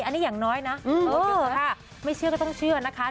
อันนี้อย่างน้อยนะไม่เชื่อก็ต้องเชื่อนะคะ